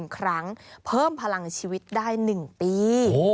๑ครั้งเพิ่มพลังชีวิตได้๑ปี